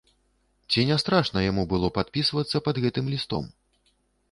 Ці не страшна яму было падпісвацца пад гэтым лістом?